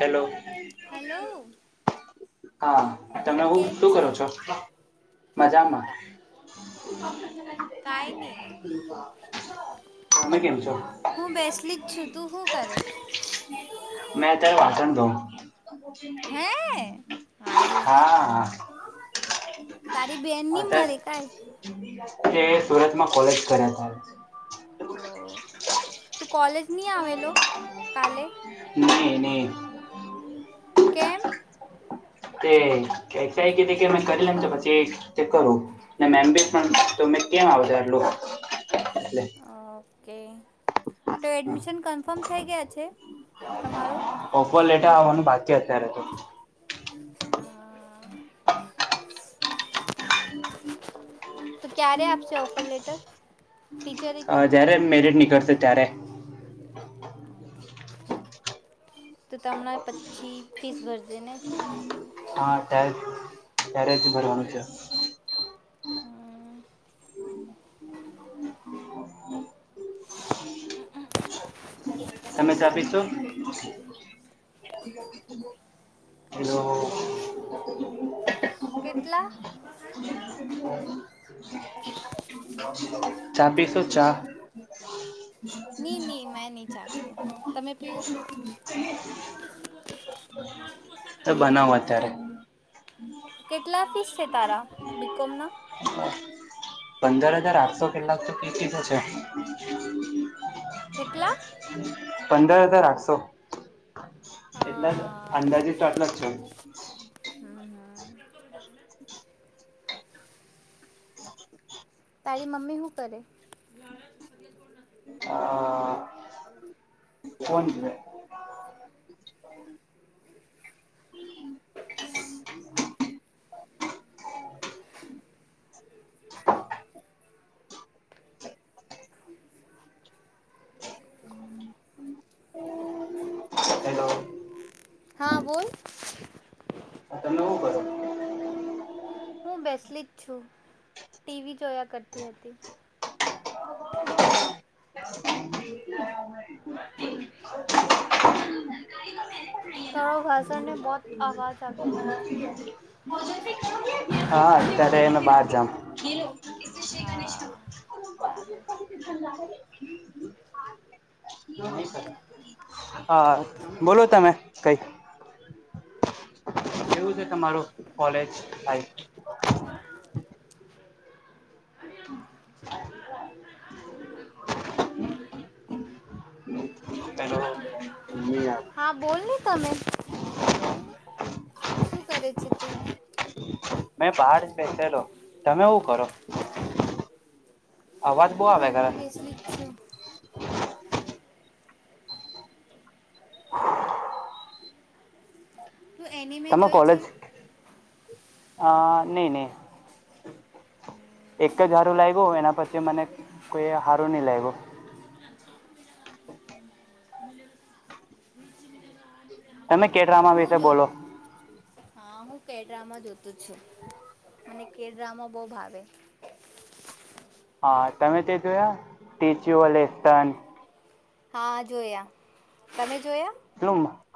Hello hello હા તમે હું કેમ શું છે? કરો છો? મજામાં. કાઈ નહી તમે કેમ છો? હું બેસેલી જ છું તું હુ કરે? મેં અત્યારે વાસન ધોઉં હે હારું હા. તારી બેન ની મલી અત્યારે કાળ. તે સુરતમાં કોલેજ કર્યા હતાજ. ઓ તું કોલેજ ની આવેલો કાલે નહીં, નહીં. કેમ? [unintelligible] ઓ કે છે તમારો? હા. ઓફર લેટર આવવાનું બાકી અત્યારે તો. તો ક્યારે આપશે ઓફર લેટર? ટીચરે અહ કીધું? જયારે મેરિટ નીકળશે ત્યારે. તો તમણાં પછી ફીસ ભરજે ને. હા ત્યારે ત્યારે જ ભરવાનું છે. હમ્મ. તમે ચા પીશો હલો. કેટલા ચા પી શો ચા. ની ની મેં ની ચા તમે [unintelligible] તો બનાવો ફીસ અત્યારે પીસ છે તારા બીકોમ માં પંદર હજાર આઠસો કેટલાક તો પીસી છે. [inaudible] કેટલા? પંદર આઠસો એટલે હા અંદાજિત તો આટલા જ છે.. [inaudible] તારી મમ્મી હું કરે? હા. [unintelligible] [inaudible] હેલો. હા બોલ. તમે હું કરો? હું બેસલી જ છું ટીવી જોયા કરતી હતી. [unintelligible] હા અત્યારે એને બાર [inaudible] હા હ હા બોલો તમે. કઈ એવું છે તમારું કોલેજ લાઈફ. ત હા બોલ ને તમે તું બોલ ને શું કરે છે તું. મેં બહાર જ બેસેલો તમે એ કરો. અવાજ બહુ હું આવે કરે ઘરમાં બેસલી જ છું. તું એની મેં જોઈ છે. હ નઈ નહી એક જ હારું લાગ ગ્યું એના પછી મને કોઈ સારું નઈ લાગ ગ્યું. તમે કે ડ્રામા હું વિશે જો બોલો. હા હું કેડ્રામા જોતો જ છું મને કે ડ્રમા બહ ભાવે. હા તમે તે જોયા ટીચુસ્ટન હા જોયા તમે જોયા હ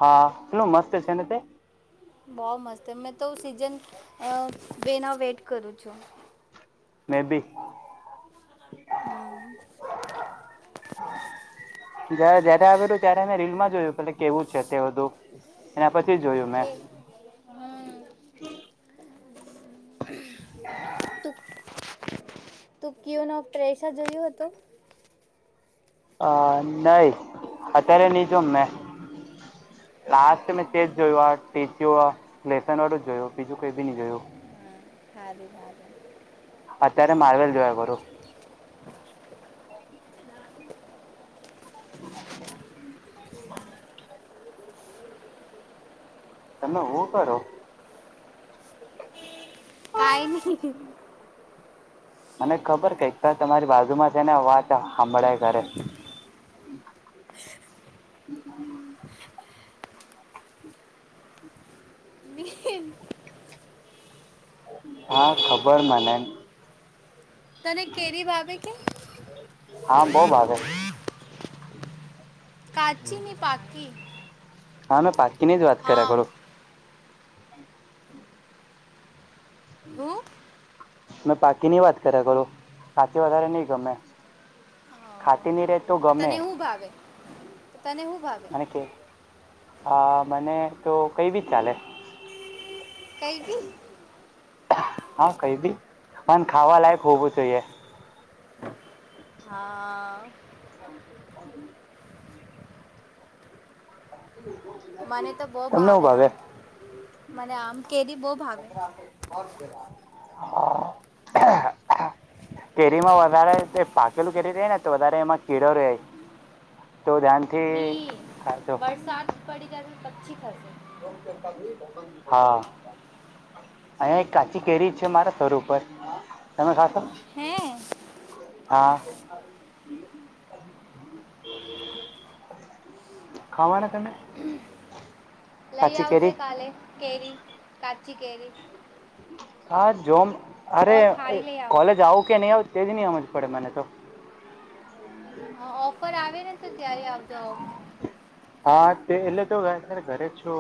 હા શટલું મસ્ત છે ને તે બહ મસ્ત. તો મેં તો સીઝન અ બના વેટ કર કરું છો મેબી. હમ જ જયારે આવું ત્યારે મે રીલમાં જોયું પલે કેવું છે તે બધું. પછી જોયું મેં એ હમ [inaudible] તુ કઓનો પ્રેશા જોયું હતું. અ નહી અત્યારે નહી જો મે લાસ્ટ મેં તેજ જોયું આ ટીચ લેસન વાળું જ જોયું બીજું કઈ ભી નહી જોયું. સારું સારું અત્યારે માર્વેલ જોયા કરો. તમે હ કરો. કઈ નહી. મને ખબર કઈ તમારી બાજુમાં છેને વાત સાંભળાય કરે. હા ખબર મનેમ તને કેરી ભબે કે હમ કાચીની પાક પખી હા મેં પા કેની જ વાત કર્યા કરો હું મેં પાકીની વાત કર્યા કરળું ખાચ વધારે નહી ગમે ખાટી નની રેતી તો તને હું ભાવે. તને હું ભાગે? હ મને તો કઈ રીત ચાલે? કઈ ભી. હા કઈ દી પણ ખાવા લયક હોવું જોઈએ. હા હ [inaudible] મને તો બહ તમને હું ભાવે આમ મને આમ. કેરી બહુ ભાવે. કેરીમાં વધારે પાકેલું કેરી થાય ને તો વધારે એમાં કીળો રાય તો ધ્યાનથી. ની ખાજો વરસાદ પડી જ ઠીકશે. હા અહીં એક કાચી કેરી છે મારા સ્ર ઉપર તમે સા હે. હા ખવાના તને લઈ આવઉજે કાલે કેરી પચ કેેરી ખાસ જોમ અરે આવો કોલેજ આવું કે નહી આવું તેજ નહી હમજ પડે મને તો [inaudible] ઓફર આવે ને તો ત્યારે આવજો. હા તે એટલે તો મેં અત્યારે ઘરે છો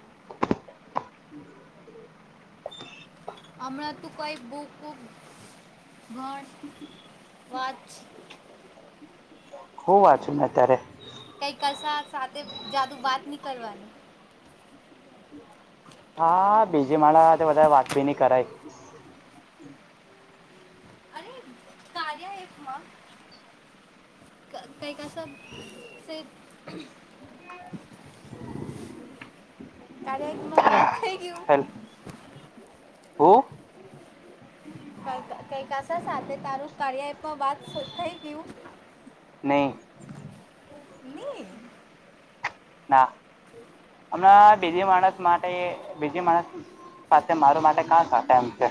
[inaudible] અમના તુ કંઈક બુક કુક. ઘાણ વાંચ. હું વાચું મે અત્યારે કઈ કરસા સાતે જાદુ વાત નહી કરવાની. હા બીજી માળા તો બધાર વાત બી ની કરાય. ખમાં કઈ કસ શે હમ. કાર્ય એપમાં વાત થઈ ગયું. હેલ હું કઈ કઈ કસા સાથે તારું કાર્ય એપ વાત થઈ ગયું. નહી નહીં ના હમણાં બીજી માણસ માટે બીજી માણસ પાસે મારું માટે કા થાપા એમ છે.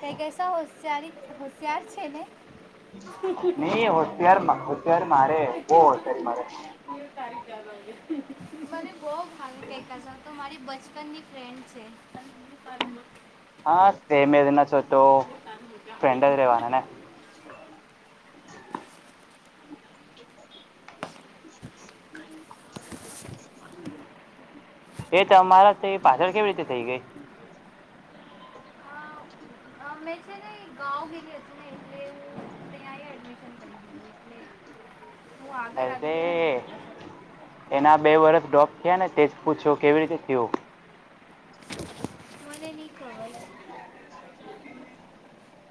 તઈ કસા હોશિયારી હોશિયાર છે ને નહી હોશિયાર હોશિયાર મારે બો હોશિયારી મારે. એ તારી મને બહ ભાવી કેતા સા તો મારી બચપનની ફ્રેન્ડ છે. [inaudible] એના ચો [inaudible] [inaudible] એ તો અમારા તે પાછળ કેવી રીતે થઈ ગઈ. [inaudible] અ, અ, મેં છે ને હું કેવી અસને એટલે દીધું એટલે હું આગળ આવી અરે ગયા ને કૈકા સાવ એના બે વરસ ડ્રોપ થયા ને તેજ પૂછો કેવી રીતે થયું. મને નહીં ખબર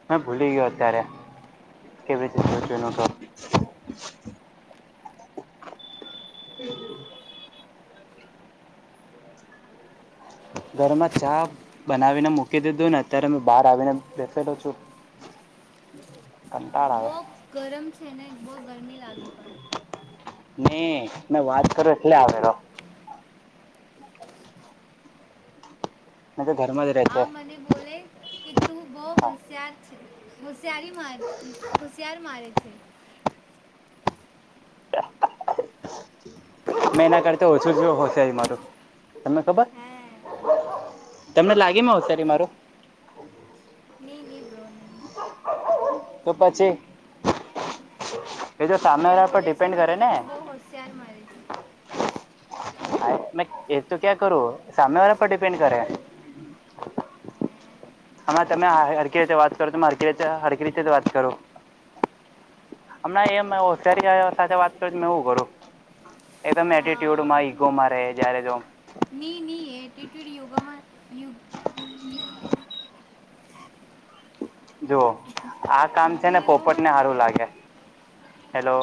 હ ભૂલી ગયો અત્યારે કેવી રીતે જો તો. ઘરમાં ચા બનાવીને મૂકી દીધું ને અત્યારે મે બહાર આવીને બેસેલો છું કંટાળ આવે. ગરમ છે ને. બઉ ગરમી લાગી ત. નહી મેં વાત કરો એટલે આવેલો. તુ તો ઘરમાં જ રહે આ મને બોલે કે તું બઉ હા હોશિયાર છે હોશિયારી માર હોશિયાર મારે છે. મેં એના કરતા ઓછું જો હોશિયારી મારું તમને ખબર હે તમને લાગે હોશિયારી નહીં માર નહીં નહીં બ્રો નહીં તો પછી તો સામે પણ એ વાળા પર બોલે છે ડિપેન્ડ મને કરે કે ને તું બઉ હોશિયાર મારી ત મે એ તો ક્યા કરું સામમે વા પર ડિપેન્ડ કરે. હમણાં તમે હકી રીતે વાત કરો તતે હકી રીતે જ વાત કરો હમણાં એશિારી સાથે વાત કરું કરું હા એકટ્યુડમાં ઈગોમાં રહે જ્યારે જો એટિટ્યૂડ યોગામાં યુગ હમ જુઓ આ કામ છે ને પોપટ યોગોમાં ને નહીં સારું રહે લાગે હેલો.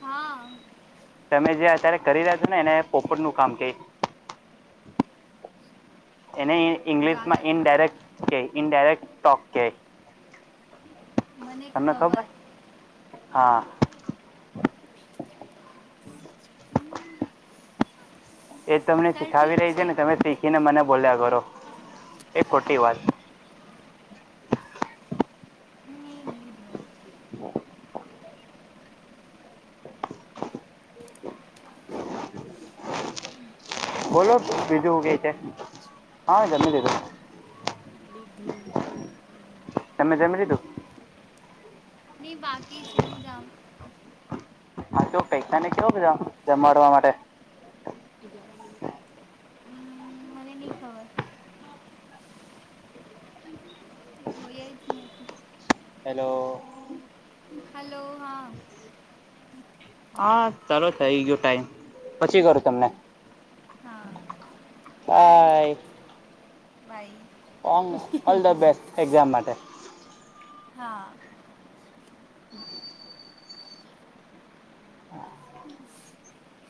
હા તમે જે અત્યારે કરી રહ્યા છો ને એને પોપટ નું કામ ક એને ગાળા ઇંગ્લિશમાં ઇનડાયરેક્ટ કે ઇડાયરેક્ટ ટોક કે મને ખબર હા. એ તમને સર શીખાવી ઠીક રહી છે, ને તમે શીખીને મને બોલ્યા કરો, એ ખોટી વાત નહીં નહીં બ્રો હમ્મ. તું બોલો જમી લીધા બીજું હું કે છે? હા, જમી લીધું. હમ્મ. તમે જમી લીધું? નહી બાકી છે, હું જમ હા તો પૈસા ને કેવ જમાડવા માટે? હમ, મને નહીં ખબર જોઈએ જ નથી હલો, હલો હા હા ચાલો થઇ ગું ટાઈમ, પછી કરું તમને હા બાઈ બાઈ. ઓ ઓલ ધ બેસ્ટ, એક્ઝામ માટે હા. હા.